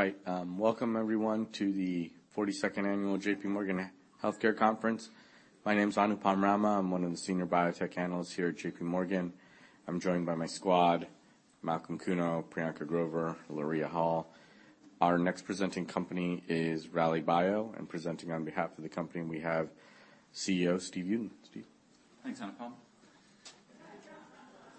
All right, welcome everyone to the 42nd annual J.P. Morgan Healthcare Conference. My name's Anupam Rama. I'm one of the senior biotech analysts here at J.P. Morgan. I'm joined by my squad, Malcolm Kuno, Priyanka Grover, Lorea Hall. Our next presenting company is Rallybio, and presenting on behalf of the company, we have CEO Steve Uden. Steve? Thanks, Anupam.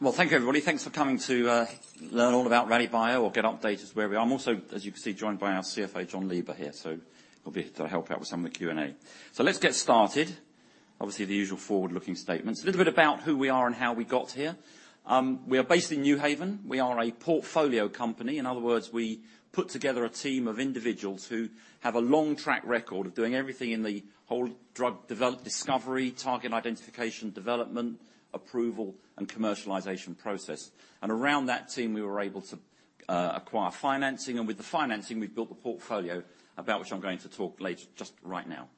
Well, thank you, everybody. Thanks for coming to learn all about Rallybio or get updated as where we are. I'm also, as you can see, joined by our CFO, Jonathan I. Lieber, here, so he'll be here to help out with some of the Q&A. So let's get started. Obviously, the usual forward-looking statements. A little bit about who we are and how we got here. We are based in New Haven. We are a portfolio company. In other words, we put together a team of individuals who have a long track record of doing everything in the whole drug discovery, target identification, development, approval, and commercialization process. And around that team, we were able to acquire financing, and with the financing, we've built the portfolio about which I'm going to talk later, just right now.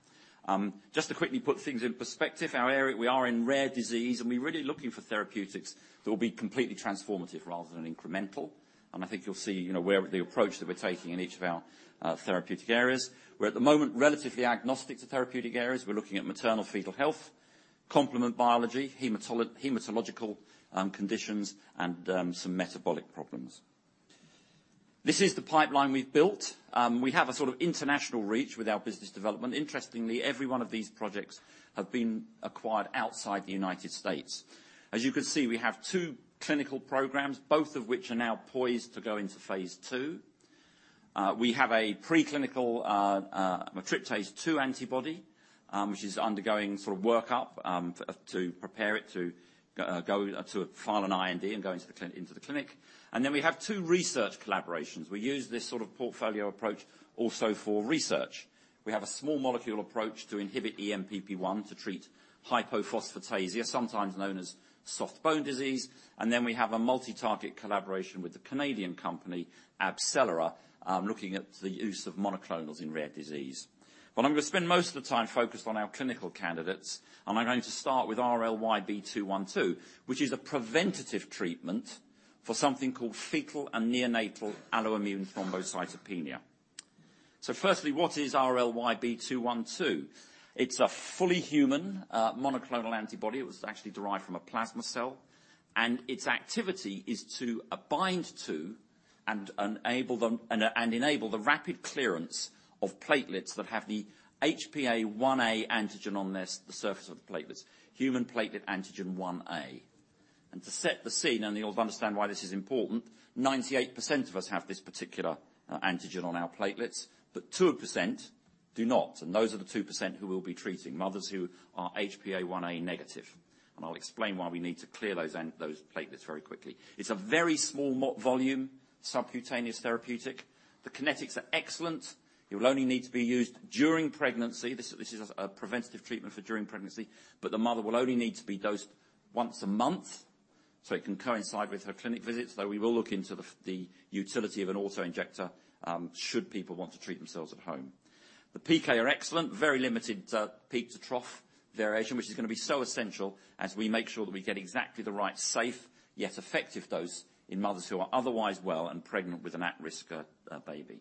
Just to quickly put things in perspective, our area, we are in rare disease, and we're really looking for therapeutics that will be completely transformative rather than incremental. And I think you'll see, you know, where the approach that we're taking in each of our therapeutic areas. We're at the moment relatively agnostic to therapeutic areas. We're looking at maternal fetal health, complement biology, hematological conditions, and some metabolic problems. This is the pipeline we've built. We have a sort of international reach with our business development. Interestingly, every one of these projects have been acquired outside the United States. As you can see, we have two clinical programs, both of which are now poised to go into phase 2. We have a preclinical matriptase-2 antibody, which is undergoing sort of workup to prepare it to go to file an IND and go into the clinic. Then we have two research collaborations. We use this sort of portfolio approach also for research. We have a small molecule approach to inhibit ENPP1, to treat hypophosphatasia, sometimes known as soft bone disease. Then we have a multi-target collaboration with the Canadian company, AbCellera, looking at the use of monoclonals in rare disease. But I'm going to spend most of the time focused on our clinical candidates, and I'm going to start with RLYB-212, which is a preventative treatment for something called fetal and neonatal alloimmune thrombocytopenia. So firstly, what is RLYB-212? It's a fully human monoclonal antibody. It was actually derived from a plasma cell, and its activity is to bind to and enable them and enable the rapid clearance of platelets that have the HPA-1a antigen on the surface of the platelets, human platelet antigen 1a. To set the scene, and you'll understand why this is important, 98% of us have this particular antigen on our platelets, but 2% do not, and those are the 2% who we'll be treating, mothers who are HPA-1a negative. I'll explain why we need to clear those those platelets very quickly. It's a very small volume, subcutaneous therapeutic. The kinetics are excellent. It will only need to be used during pregnancy. This is a preventative treatment for during pregnancy, but the mother will only need to be dosed once a month, so it can coincide with her clinic visits. Though we will look into the utility of an auto-injector, should people want to treat themselves at home. The PK are excellent, very limited peak to trough variation, which is going to be so essential as we make sure that we get exactly the right, safe, yet effective dose in mothers who are otherwise well and pregnant with an at-risk baby.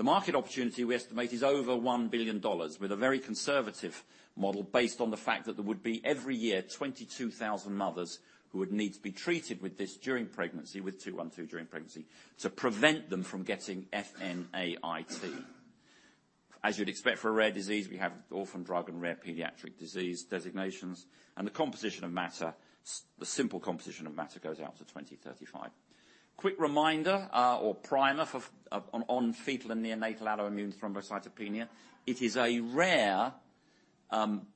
The market opportunity we estimate is over $1 billion, with a very conservative model based on the fact that there would be, every year, 22,000 mothers who would need to be treated with this during pregnancy, with RLYB-212 during pregnancy, to prevent them from getting FNAIT. As you'd expect for a rare disease, we have orphan drug and rare pediatric disease designations, and the composition of matter, the simple composition of matter goes out to 2035. Quick reminder, or primer for, on fetal and neonatal alloimmune thrombocytopenia. It is a rare,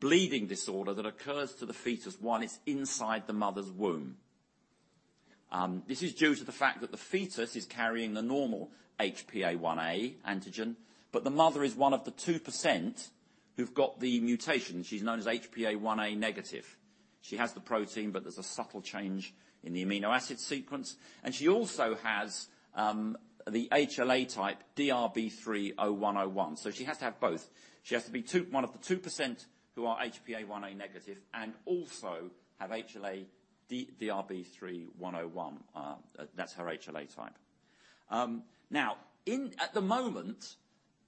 bleeding disorder that occurs to the fetus while it's inside the mother's womb. This is due to the fact that the fetus is carrying the normal HPA-1a antigen, but the mother is one of the 2% who've got the mutation. She's known as HPA-1a negative. She has the protein, but there's a subtle change in the amino acid sequence, and she also has, the HLA type DRB3*01:01. So she has to have both. She has to be one of the 2% who are HPA-1a negative and also have HLA DRB3*01:01. That's her HLA type. Now, at the moment,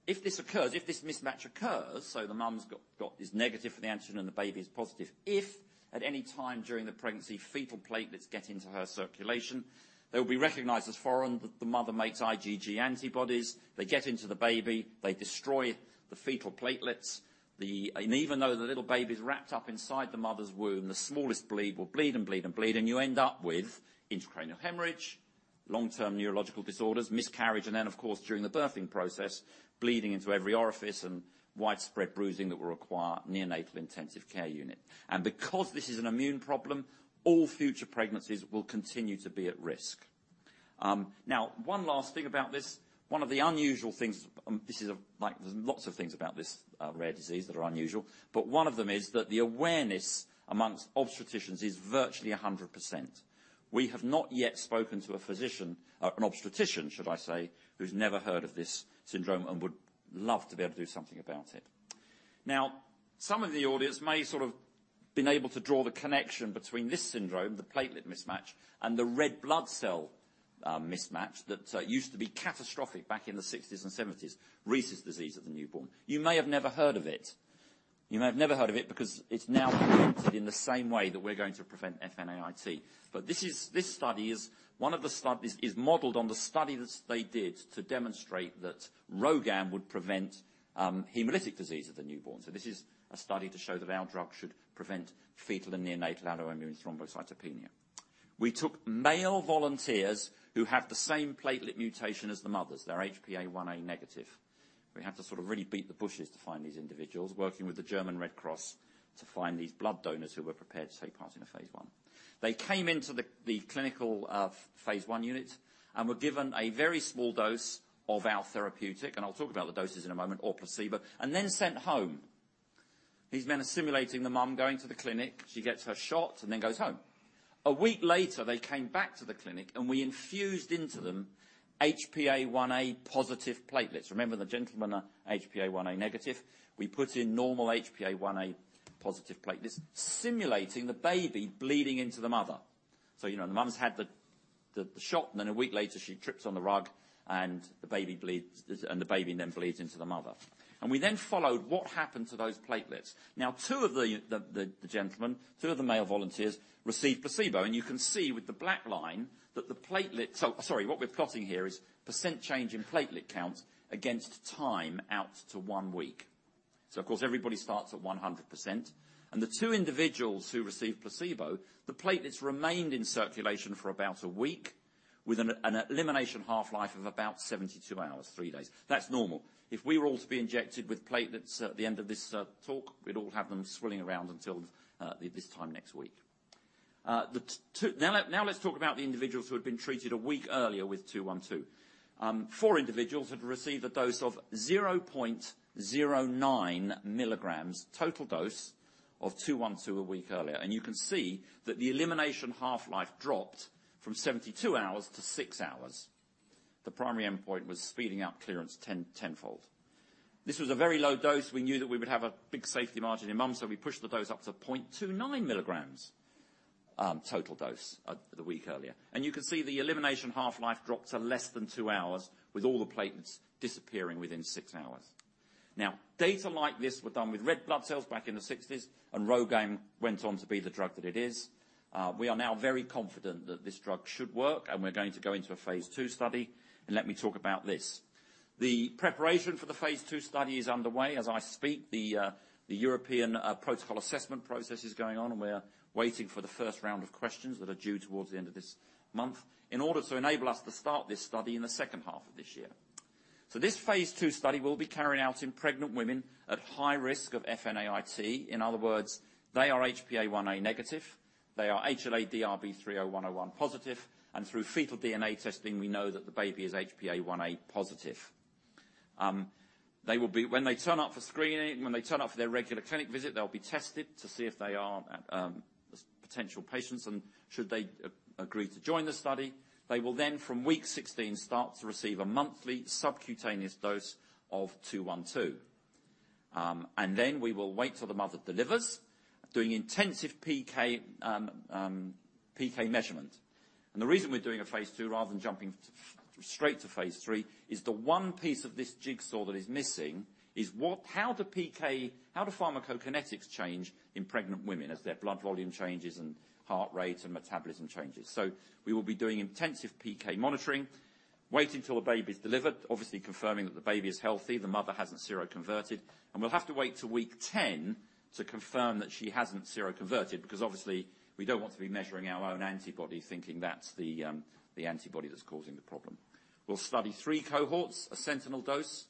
if this occurs, if this mismatch occurs, so the mom's got is negative for the antigen and the baby is positive. If at any time during the pregnancy, fetal platelets get into her circulation, they'll be recognized as foreign. The mother makes IgG antibodies. They get into the baby, they destroy the fetal platelets. And even though the little baby's wrapped up inside the mother's womb, the smallest bleed will bleed and bleed and bleed, and you end up with intracranial hemorrhage, long-term neurological disorders, miscarriage, and then, of course, during the birthing process, bleeding into every orifice and widespread bruising that will require neonatal intensive care unit. And because this is an immune problem, all future pregnancies will continue to be at risk. Now, one last thing about this. One of the unusual things, there's lots of things about this rare disease that are unusual, but one of them is that the awareness among obstetricians is virtually 100%. We have not yet spoken to a physician, an obstetrician, should I say, who's never heard of this syndrome and would love to be able to do something about it... Now, some of the audience may sort of been able to draw the connection between this syndrome, the platelet mismatch, and the red blood cell mismatch that used to be catastrophic back in the sixties and seventies, Rhesus disease of the newborn. You may have never heard of it. You may have never heard of it because it's now prevented in the same way that we're going to prevent FNAIT. But this study is one of the studies modeled on the study that they did to demonstrate that RhoGAM would prevent hemolytic disease of the newborn. So this is a study to show that our drug should prevent fetal and neonatal alloimmune thrombocytopenia. We took male volunteers who have the same platelet mutation as the mothers. They're HPA-1a negative. We have to sort of really beat the bushes to find these individuals, working with the German Red Cross to find these blood donors who were prepared to take part in a phase 1. They came into the clinical phase 1 unit and were given a very small dose of our therapeutic, and I'll talk about the doses in a moment, or placebo, and then sent home. These men are simulating the mom going to the clinic, she gets her shot, and then goes home. A week later, they came back to the clinic, and we infused into them HPA-1a positive platelets. Remember, the gentlemen are HPA-1a negative. We put in normal HPA-1a positive platelets, simulating the baby bleeding into the mother. So, you know, the mom's had the shot, and then a week later, she trips on the rug, and the baby bleeds, and the baby then bleeds into the mother. And we then followed what happened to those platelets. Now, two of the gentlemen, two of the male volunteers, received placebo, and you can see with the black line that the platelet... So, sorry, what we're plotting here is percent change in platelet counts against time out to one week. Of course, everybody starts at 100%, and the two individuals who received placebo, the platelets remained in circulation for about a week, with an elimination half-life of about 72 hours, three days. That's normal. If we were all to be injected with platelets at the end of this talk, we'd all have them swilling around until this time next week. Now, now let's talk about the individuals who had been treated a week earlier with 212. Four individuals had received a dose of 0.09 mg, total dose of 212 a week earlier. And you can see that the elimination half-life dropped from 72 hours to six hours. The primary endpoint was speeding up clearance tenfold. This was a very low dose. We knew that we would have a big safety margin in mom, so we pushed the dose up to 0.29 mg total dose the week earlier. And you can see the elimination half-life dropped to less than 2 hours, with all the platelets disappearing within 6 hours. Now, data like this were done with red blood cells back in the 1960s, and RhoGAM went on to be the drug that it is. We are now very confident that this drug should work, and we're going to go into a phase 2 study, and let me talk about this. The preparation for the phase 2 study is underway. As I speak, the European protocol assessment process is going on, and we're waiting for the first round of questions that are due towards the end of this month in order to enable us to start this study in the second half of this year. So this phase 2 study will be carried out in pregnant women at high risk of FNAIT. In other words, they are HPA-1a negative, they are HLA-DRB3*01:01 positive, and through fetal DNA testing, we know that the baby is HPA-1a positive. They will be. When they turn up for screening, when they turn up for their regular clinic visit, they'll be tested to see if they are potential patients, and should they agree to join the study, they will then, from week 16, start to receive a monthly subcutaneous dose of two-one-two. And then we will wait till the mother delivers, doing intensive PK, PK measurement. And the reason we're doing a phase two rather than jumping straight to phase three, is the one piece of this jigsaw that is missing is how the PK, how do pharmacokinetics change in pregnant women as their blood volume changes and heart rate and metabolism changes? So we will be doing intensive PK monitoring, waiting till the baby is delivered, obviously confirming that the baby is healthy, the mother hasn't seroconverted, and we'll have to wait till week 10 to confirm that she hasn't seroconverted, because obviously, we don't want to be measuring our own antibody, thinking that's the antibody that's causing the problem. We'll study three cohorts, a sentinel dose,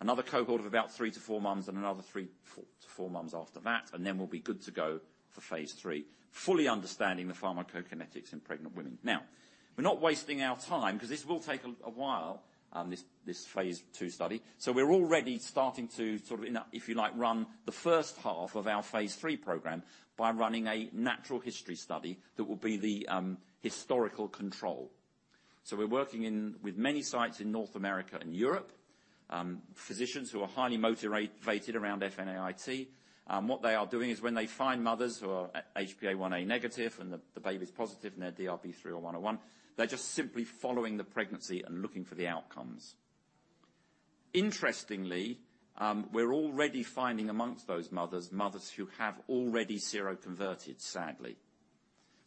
another cohort of about 3-4 months, and another 3-4 months after that, and then we'll be good to go for phase 3, fully understanding the pharmacokinetics in pregnant women. Now, we're not wasting our time, because this will take a while, this phase 2 study. So we're already starting to sort of, if you like, run the first half of our phase 3 program by running a natural history study that will be the historical control. So we're working with many sites in North America and Europe, physicians who are highly motivated around FNAIT. What they are doing is when they find mothers who are HPA-1a negative, and the baby's positive, and they're HLA-DRB3*01:01, they're just simply following the pregnancy and looking for the outcomes. Interestingly, we're already finding among those mothers, mothers who have already seroconverted, sadly.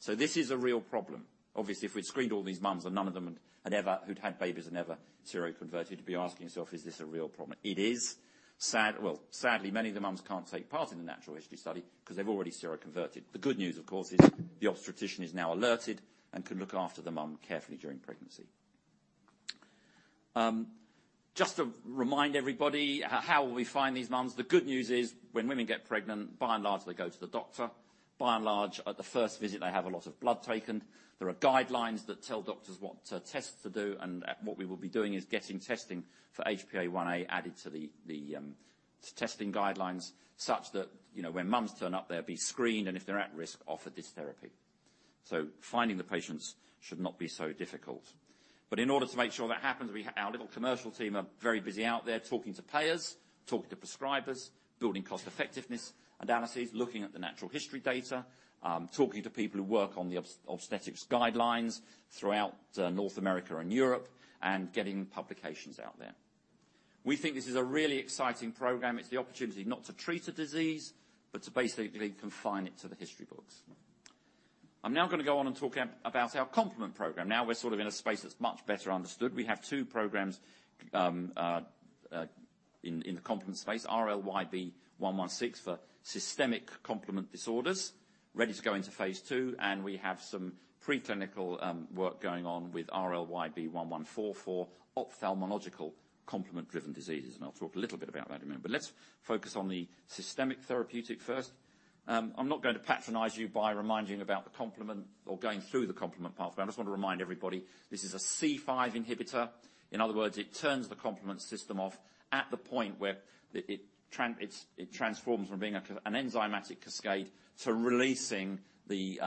So this is a real problem. Obviously, if we'd screened all these moms and none of them had ever, who'd had babies and never seroconverted, you'd be asking yourself, "Is this a real problem?" It is. Sadly, many of the moms can't take part in the natural history study because they've already seroconverted. The good news, of course, is the obstetrician is now alerted and can look after the mom carefully during pregnancy. Just to remind everybody, how will we find these moms? The good news is, when women get pregnant, by and large, they go to the doctor. By and large, at the first visit, they have a lot of blood taken. There are guidelines that tell doctors what tests to do, and at... What we will be doing is getting testing for HPA-1a added to the testing guidelines, such that, you know, when moms turn up, they'll be screened, and if they're at risk, offered this therapy. So finding the patients should not be so difficult. But in order to make sure that happens, we have our little commercial team are very busy out there talking to players, talking to prescribers, building cost effectiveness analyses, looking at the natural history data, talking to people who work on the obstetrics guidelines throughout North America and Europe, and getting publications out there. We think this is a really exciting program. It's the opportunity not to treat a disease, but to basically confine it to the history books. I'm now gonna go on and talk about our complement program. Now we're sort of in a space that's much better understood. We have two programs, in the complement space, RLYB-116 for systemic complement disorders, ready to go into phase 2, and we have some preclinical work going on with RLYB-114 for ophthalmological complement-driven diseases, and I'll talk a little bit about that in a minute. But let's focus on the systemic therapeutic first. I'm not going to patronize you by reminding you about the complement or going through the complement pathway. I just want to remind everybody, this is a C5 inhibitor. In other words, it turns the complement system off at the point where it transforms from being an enzymatic cascade to releasing the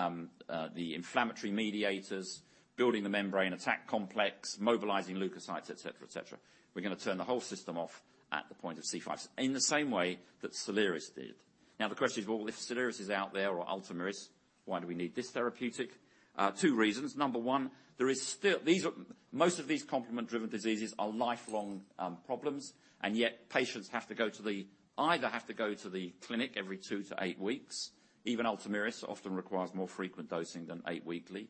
inflammatory mediators, building the membrane attack complex, mobilizing leukocytes, et cetera, et cetera. We're gonna turn the whole system off at the point of C5, in the same way that Soliris did. Now, the question is, well, if Soliris is out there or Ultomiris, why do we need this therapeutic? Two reasons. Number one, there is still. These are most of these complement-driven diseases are lifelong problems, and yet patients either have to go to the clinic every two to eight weeks. Even Ultomiris often requires more frequent dosing than eight weekly.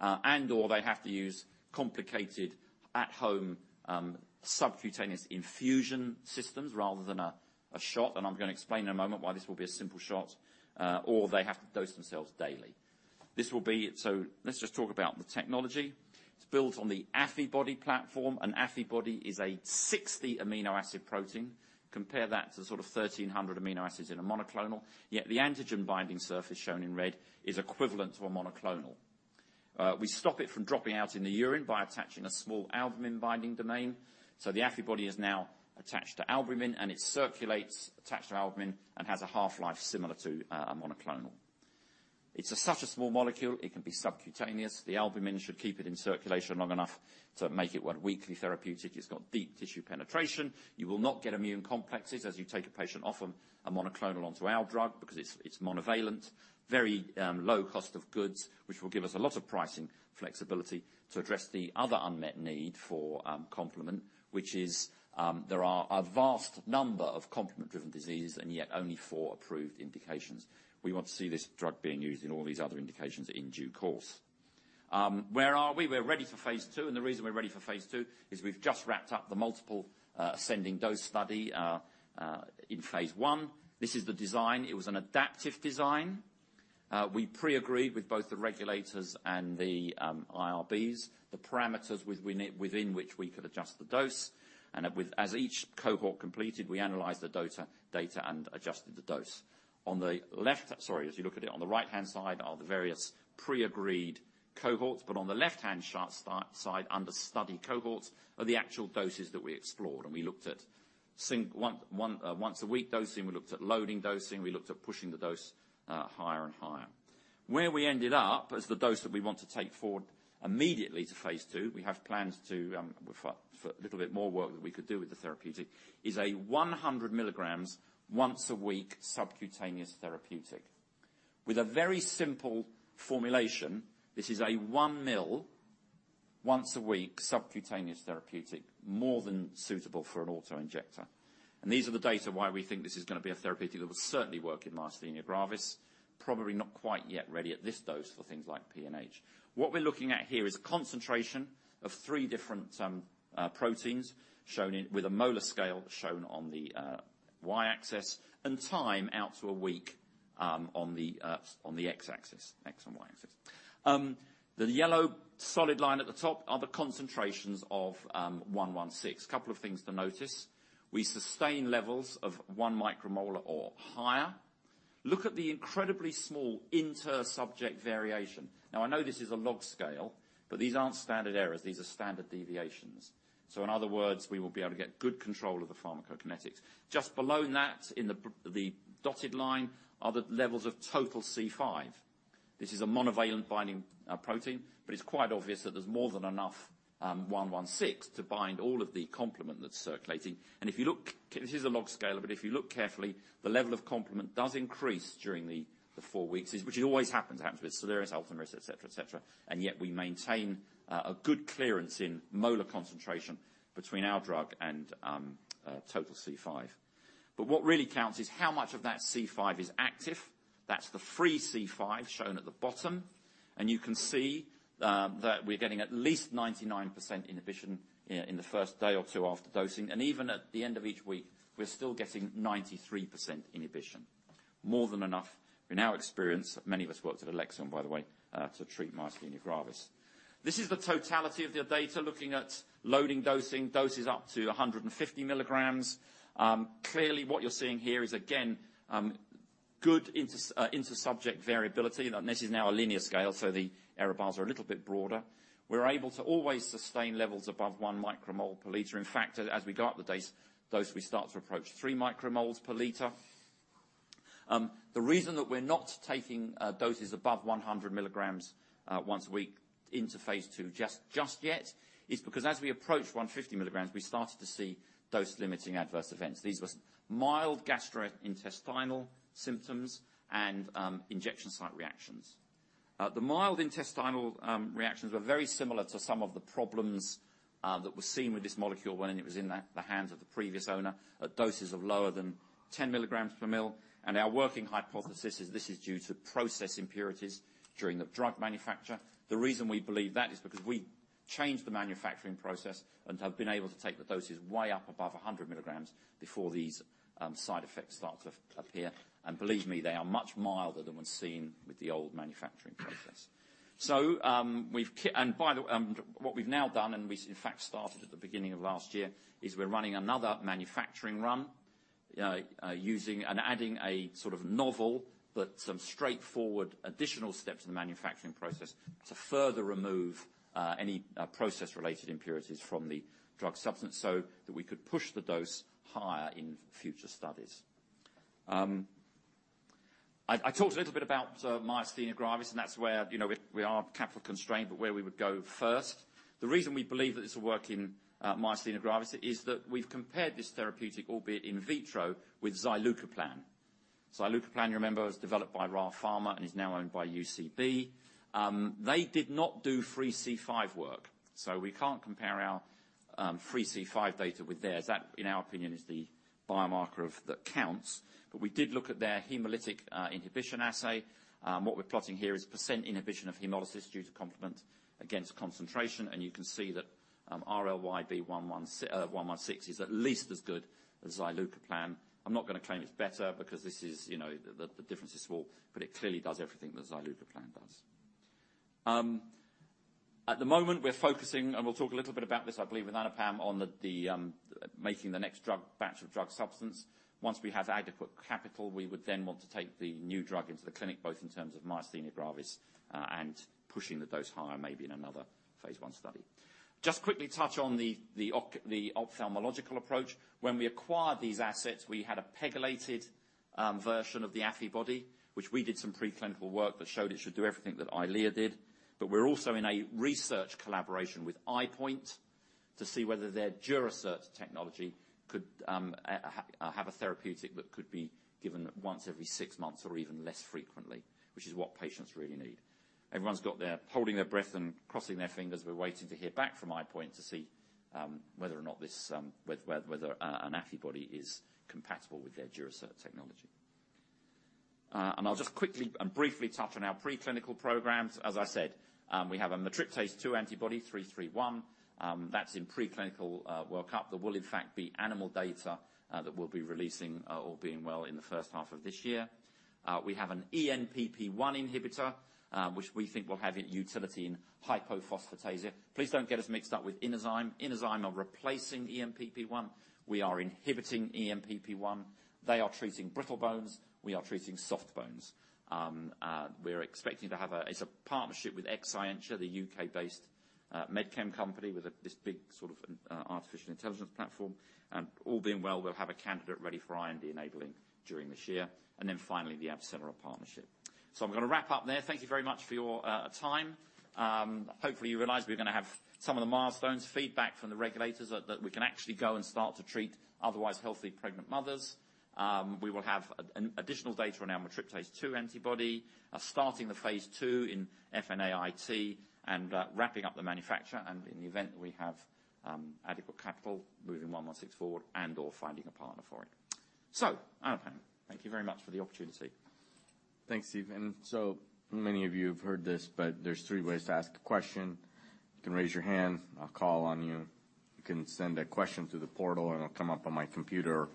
Or they have to use complicated at-home subcutaneous infusion systems rather than a shot, and I'm gonna explain in a moment why this will be a simple shot, or they have to dose themselves daily. So let's just talk about the technology. It's built on the Affibody platform. An Affibody is a 60 amino acid protein. Compare that to sort of 1,300 amino acids in a monoclonal, yet the antigen binding surface shown in red is equivalent to a monoclonal. We stop it from dropping out in the urine by attaching a small albumin binding domain. So the Affibody is now attached to albumin, and it circulates, attached to albumin, and has a half-life similar to a monoclonal. It's such a small molecule, it can be subcutaneous. The albumin should keep it in circulation long enough to make it one weekly therapeutic. It's got deep tissue penetration. You will not get immune complexes as you take a patient off a monoclonal onto our drug because it's monovalent. Very low cost of goods, which will give us a lot of pricing flexibility to address the other unmet need for complement, which is there are a vast number of complement-driven diseases, and yet only 4 approved indications. We want to see this drug being used in all these other indications in due course. Where are we? We're ready for phase 2, and the reason we're ready for phase 2 is we've just wrapped up the multiple ascending dose study in phase 1. This is the design. It was an adaptive design. We pre-agreed with both the regulators and the IRBs the parameters within which we could adjust the dose, and as each cohort completed, we analyzed the data and adjusted the dose. On the left, sorry, as you look at it, on the right-hand side are the various pre-agreed cohorts, but on the left-hand chart side, under study cohorts, are the actual doses that we explored, and we looked at single, one, one, once-a-week dosing, we looked at loading dosing, we looked at pushing the dose higher and higher. Where we ended up as the dose that we want to take forward immediately to phase 2, we have plans to for, for a little bit more work that we could do with the therapeutic, is 100 mg, once-a-week, subcutaneous therapeutic. With a very simple formulation, this is a 1 mL, once-a-week, subcutaneous therapeutic, more than suitable for an auto-injector. These are the data why we think this is gonna be a therapeutic that will certainly work in Myasthenia Gravis, probably not quite yet ready at this dose for things like PNH. What we're looking at here is a concentration of 3 different proteins, shown with a molar scale, shown on the y-axis, and time out to a week, on the x-axis, x and y-axis. The yellow solid line at the top are the concentrations of 116. Couple of things to notice: we sustain levels of 1 micromolar or higher. Look at the incredibly small inter-subject variation. Now, I know this is a log scale, but these aren't standard errors, these are standard deviations. So in other words, we will be able to get good control of the pharmacokinetics. Just below that, in the dotted line, are the levels of total C5. This is a monovalent binding protein, but it's quite obvious that there's more than enough 116 to bind all of the complement that's circulating. And if you look, this is a log scale, but if you look carefully, the level of complement does increase during the four weeks, which always happens with Soliris, Ultomiris, et cetera, et cetera, and yet we maintain a good clearance in molar concentration between our drug and total C5. But what really counts is how much of that C5 is active. That's the free C5 shown at the bottom, and you can see that we're getting at least 99% inhibition in the first day or two after dosing, and even at the end of each week, we're still getting 93% inhibition. More than enough, in our experience, many of us worked at Alexion, by the way, to treat myasthenia gravis. This is the totality of the data, looking at loading dosing, doses up to 150 mg. Clearly, what you're seeing here is, again, good inter-subject variability, and this is now a linear scale, so the error bars are a little bit broader. We're able to always sustain levels above 1 micromole per liter. In fact, we start to approach 3 micromoles per liter.... The reason that we're not taking doses above 100 mg once a week into phase 2 just yet is because as we approach 150 mg, we started to see dose-limiting adverse events. These were mild gastrointestinal symptoms and injection site reactions. The mild intestinal reactions were very similar to some of the problems that were seen with this molecule when it was in the hands of the previous owner, at doses of lower than 10 mg per ml. And our working hypothesis is this is due to process impurities during the drug manufacture. The reason we believe that is because we changed the manufacturing process and have been able to take the doses way up above 100 mg before these side effects start to appear. Believe me, they are much milder than what's seen with the old manufacturing process. So, we've and by the way, what we've now done, and we so in fact started at the beginning of last year, is we're running another manufacturing run, using and adding a sort of novel, but some straightforward additional steps in the manufacturing process to further remove any process-related impurities from the drug substance, so that we could push the dose higher in future studies. I talked a little bit about myasthenia gravis, and that's where, you know, we are capital constrained, but where we would go first. The reason we believe that this will work in myasthenia gravis is that we've compared this therapeutic, albeit in vitro, with zilucoplan. Zilucoplan, you remember, was developed by Ra Pharma and is now owned by UCB. They did not do free C5 work, so we can't compare our free C5 data with theirs. That, in our opinion, is the biomarker that counts. But we did look at their hemolytic inhibition assay. What we're plotting here is percent inhibition of hemolysis due to complement against concentration, and you can see that RLYB-116 is at least as good as zilucoplan. I'm not going to claim it's better because this is, you know, the difference is small, but it clearly does everything that zilucoplan does. At the moment, we're focusing, and we'll talk a little bit about this, I believe, with Anupam, on making the next drug batch of drug substance. Once we have adequate capital, we would then want to take the new drug into the clinic, both in terms of myasthenia gravis and pushing the dose higher, maybe in another phase 1 study. Just quickly touch on the ophthalmological approach. When we acquired these assets, we had a pegylated version of the antibody, which we did some preclinical work that showed it should do everything that Eylea did. But we're also in a research collaboration with EyePoint to see whether their Durasert technology could have a therapeutic that could be given once every six months or even less frequently, which is what patients really need. Everyone's holding their breath and crossing their fingers. We're waiting to hear back from EyePoint to see whether or not this antibody is compatible with their Durasert technology. I'll just quickly and briefly touch on our preclinical programs. As I said, we have a matriptase-2 antibody, 331. That's in preclinical workup. There will, in fact, be animal data that we'll be releasing, all being well, in the first half of this year. We have an ENPP1 inhibitor, which we think will have utility in hypophosphatasia. Please don't get us mixed up with Inozyme. Inozyme are replacing ENPP1. We are inhibiting ENPP1. They are treating brittle bones. We are treating soft bones. We're expecting to have a... It's a partnership with Exscientia, the U.K.-based med chem company with this big sort of artificial intelligence platform. And all being well, we'll have a candidate ready for IND-enabling during this year, and then finally, the AbCellera partnership. So I'm going to wrap up there. Thank you very much for your time. Hopefully, you realize we're going to have some of the milestones, feedback from the regulators, that we can actually go and start to treat otherwise healthy pregnant mothers. We will have additional data on our matriptase-2 antibody, starting the phase 2 in FNAIT, and wrapping up the manufacture, and in the event that we have adequate capital, moving 116 forward and/or finding a partner for it. So Anupam, thank you very much for the opportunity. Thanks, Steve. And so many of you have heard this, but there's three ways to ask a question. You can raise your hand, I'll call on you. You can send a question through the portal, and it'll come up on my computer. Or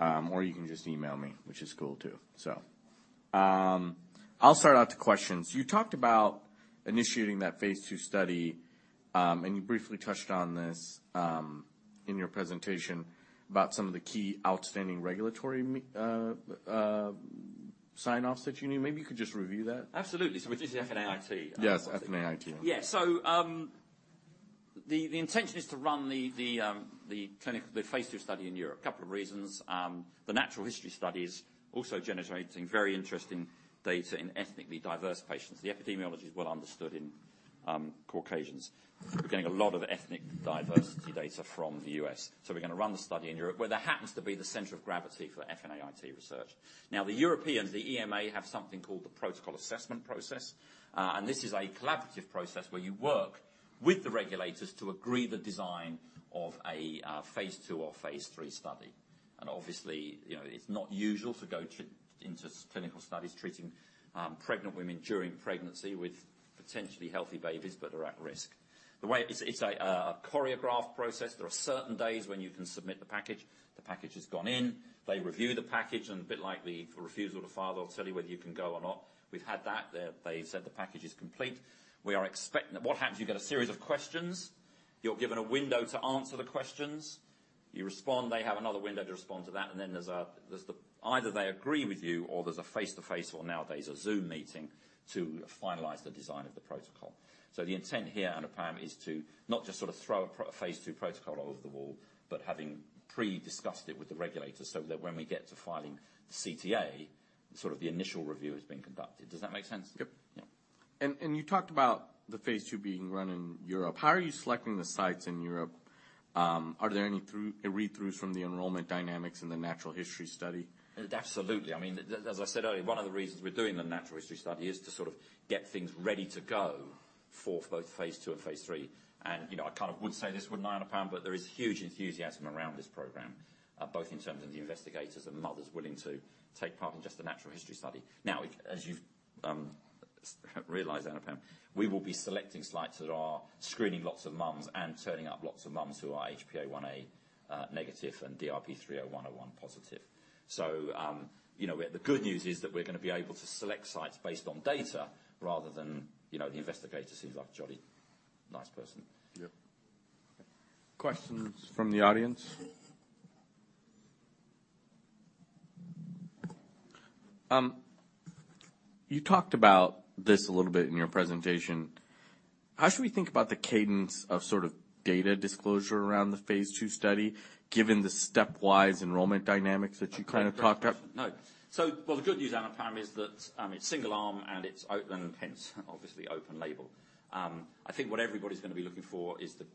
you can just email me, which is cool, too. So, I'll start out the questions. You talked about initiating that phase two study, and you briefly touched on this, in your presentation about some of the key outstanding regulatory sign-offs that you need. Maybe you could just review that? Absolutely. So this is the FNAIT. Yes, FNAIT. Yeah. So, the intention is to run the clinical phase 2 study in Europe. A couple of reasons. The natural history study is also generating very interesting data in ethnically diverse patients. The epidemiology is well understood in Caucasians. We're getting a lot of ethnic diversity data from the U.S. So we're going to run the study in Europe, where there happens to be the center of gravity for FNAIT research. Now, the Europeans, the EMA, have something called the Protocol Assessment Process, and this is a collaborative process where you work with the regulators to agree the design of a phase 2 or phase 3 study. And obviously, you know, it's not usual to go into clinical studies treating pregnant women during pregnancy with potentially healthy babies, but are at risk. The way... It's a choreographed process. There are certain days when you can submit the package. The package has gone in, they review the package, and a bit like the refusal to file, they'll tell you whether you can go or not. We've had that. They said the package is complete. We are expecting. What happens, you get a series of questions. You're given a window to answer the questions. You respond, they have another window to respond to that, and then there's the... Either they agree with you or there's a face-to-face, or nowadays, a Zoom meeting to finalize the design of the protocol. So the intent here, Anupam, is to not just sort of throw a phase 2 protocol over the wall, but having pre-discussed it with the regulators so that when we get to filing the CTA, sort of the initial review has been conducted. Does that make sense? Yep. Yeah. And you talked about the phase II being run in Europe. How are you selecting the sites in Europe? Are there any read-throughs from the enrollment dynamics in the natural history study? Absolutely. I mean, as I said earlier, one of the reasons we're doing the natural history study is to sort of get things ready to go for both phase II and phase III. And, you know, I kind of would say this, wouldn't I, Anupam? But there is huge enthusiasm around this program, both in terms of the investigators and mothers willing to take part in just the natural history study. Now, as you've realized, Anupam, we will be selecting sites that are screening lots of moms and turning up lots of moms who are HPA-1a negative, and HLA-DRB3*01:01 positive. So, you know, where the good news is that we're gonna be able to select sites based on data rather than, you know, the investigator seems like a jolly nice person. Yep. Questions from the audience? You talked about this a little bit in your presentation. How should we think about the cadence of sort of data disclosure around the Phase II study, given the stepwise enrollment dynamics that you kind of talked about? No. So... Well, the good news, Anupam, is that it's single arm, and it's open, hence, obviously open label. I think what everybody's gonna be looking for is the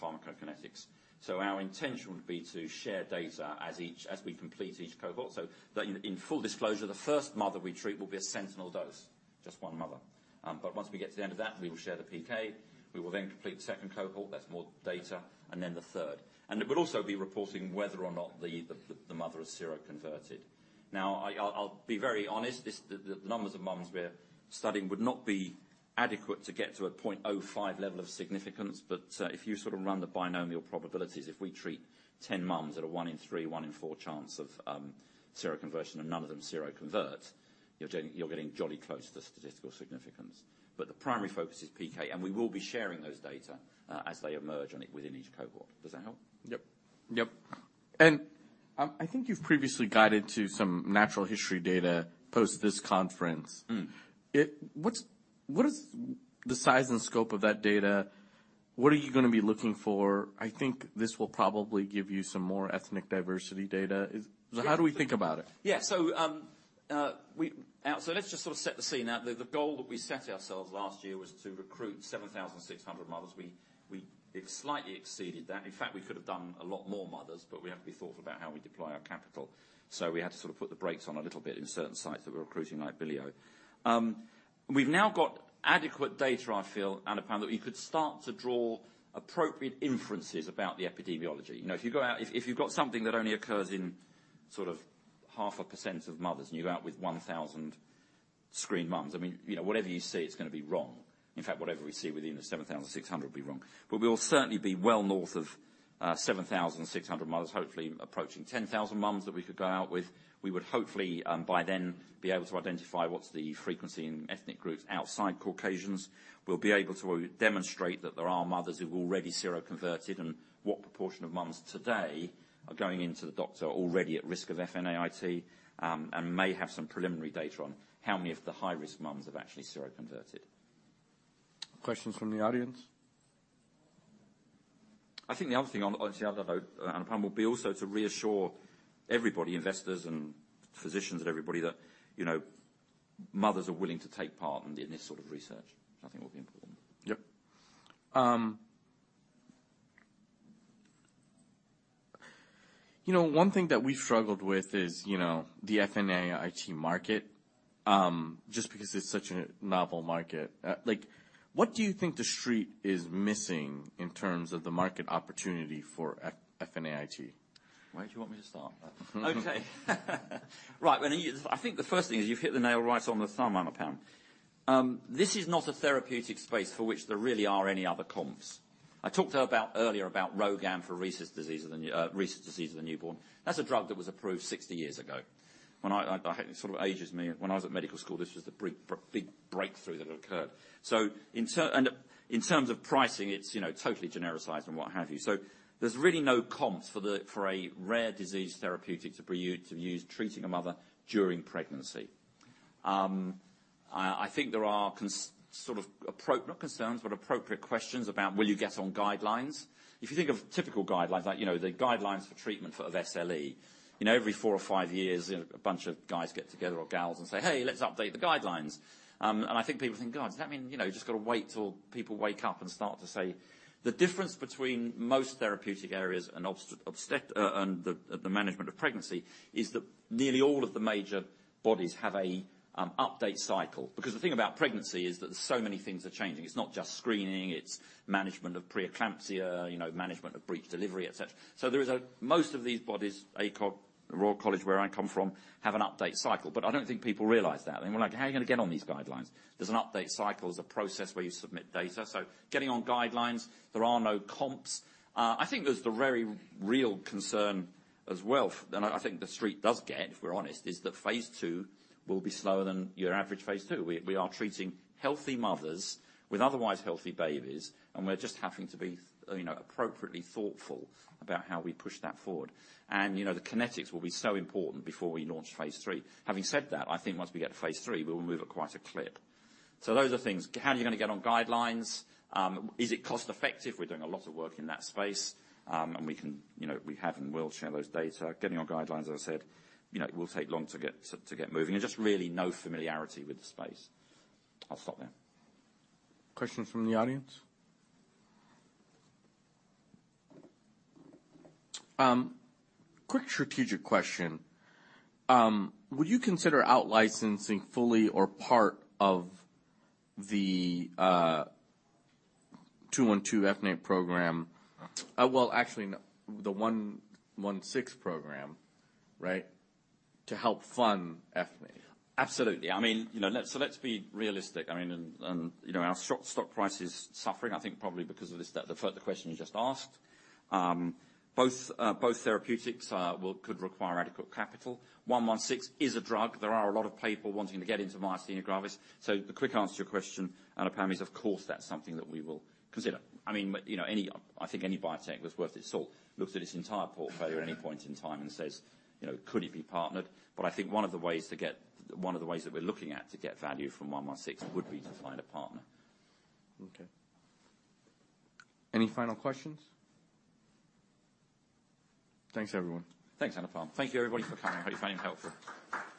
pharmacokinetics. So our intention would be to share data as we complete each cohort, so that in full disclosure, the first mother we treat will be a sentinel dose, just one mother. But once we get to the end of that, we will share the PK. We will then complete the second cohort, that's more data, and then the third. And it will also be reporting whether or not the mother is seroconverted. Now, I'll be very honest, the numbers of moms we're studying would not be adequate to get to a 0.05 level of significance. But if you sort of run the binomial probabilities, if we treat 10 moms at a 1 in 3, 1 in 4 chance of seroconversion and none of them seroconvert, you're getting, you're getting jolly close to the statistical significance. But the primary focus is PK, and we will be sharing those data as they emerge on it within each cohort. Does that help? Yep. Yep. And, I think you've previously guided to some natural history data post this conference. Mm. What is the size and scope of that data? What are you gonna be looking for? I think this will probably give you some more ethnic diversity data. Is- Yes. How do we think about it? Yeah. So, let's just sort of set the scene. Now, the goal that we set ourselves last year was to recruit 7,600 mothers. We slightly exceeded that. In fact, we could have done a lot more mothers, but we have to be thoughtful about how we deploy our capital. So we had to sort of put the brakes on a little bit in certain sites that we're recruiting like billy-o. We've now got adequate data, I feel, Anupam, that we could start to draw appropriate inferences about the epidemiology. You know, if you've got something that only occurs in sort of 0.5% of mothers, and you go out with 1,000 screened moms, I mean, you know, whatever you see, it's gonna be wrong. In fact, whatever we see within the 7,600 will be wrong. But we'll certainly be well north of 7,600 mothers, hopefully approaching 10,000 moms that we could go out with. We would hopefully, by then, be able to identify what's the frequency in ethnic groups outside Caucasians. We'll be able to demonstrate that there are mothers who've already seroconverted, and what proportion of moms today are going into the doctor already at risk of FNAIT, and may have some preliminary data on how many of the high-risk moms have actually seroconverted. Questions from the audience? I think the other thing, obviously, I don't know, Anupam, will be also to reassure everybody, investors and physicians and everybody that, you know, mothers are willing to take part in this sort of research. I think it will be important. Yep. You know, one thing that we struggled with is, you know, the FNAIT market, just because it's such a novel market. Like, what do you think the Street is missing in terms of the market opportunity for FNAIT? Where do you want me to start? Okay. Right, well, I think the first thing is you've hit the nail right on the thumb, Anupam. This is not a therapeutic space for which there really are any other comps. I talked about earlier about RhoGAM for Rhesus disease of the newborn. That's a drug that was approved 60 years ago. It sort of ages me, when I was at medical school, this was the big breakthrough that occurred. So in terms of pricing, it's, you know, totally genericized and what have you. So there's really no comps for a rare disease therapeutic to prevent to use treating a mother during pregnancy. I think there are sort of appropriate, not concerns, but appropriate questions about will you get on guidelines? If you think of typical guidelines, like, you know, the guidelines for treatment of SLE, you know, every four or five years, you know, a bunch of guys get together, or gals and say: Hey, let's update the guidelines. And I think people think, "God, does that mean, you know, just gotta wait till people wake up and start to say..." The difference between most therapeutic areas and obstetrics and the management of pregnancy is that nearly all of the major bodies have an update cycle. Because the thing about pregnancy is that so many things are changing. It's not just screening, it's management of preeclampsia, you know, management of breech delivery, et cetera. So there is a... Most of these bodies, ACOG, the Royal College, where I come from, have an update cycle. But I don't think people realize that. They're like: How are you gonna get on these guidelines? There's an update cycle. There's a process where you submit data. So getting on guidelines, there are no comps. I think there's the very real concern as well, and I think the Street does get, if we're honest, is that phase II will be slower than your average phase II. We are treating healthy mothers with otherwise healthy babies, and we're just having to be, you know, appropriately thoughtful about how we push that forward. You know, the kinetics will be so important before we launch phase III. Having said that, I think once we get to phase III, we will move at quite a clip. So those are things. How are you gonna get on guidelines? Is it cost effective? We're doing a lot of work in that space. And we can, you know, we have and will share those data. Getting on guidelines, as I said, you know, it will take long to get moving, and just really no familiarity with the space. I'll stop there. Questions from the audience? Quick strategic question. Would you consider out-licensing fully or part of the 212 FNAIT program? Well, actually, the 116 program, right? To help fund FNAIT. Absolutely. I mean, you know, let's be realistic. I mean, you know, our stock price is suffering, I think probably because of the question you just asked. Both therapeutics could require adequate capital. 116 is a drug. There are a lot of people wanting to get into myasthenia gravis. So the quick answer to your question, Anupam, is, of course, that's something that we will consider. I mean, but, you know, any biotech that's worth its salt looks at its entire portfolio at any point in time and says: You know, could it be partnered? But I think one of the ways that we're looking at to get value from 116 would be to find a partner. Okay. Any final questions? Thanks, everyone. Thanks, Anupam. Thank you, everybody, for coming. I hope you find it helpful. Thanks.